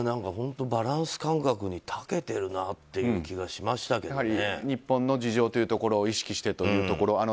本当、バランス感覚にたけてるなという気が日本の事情というところを意識してということ。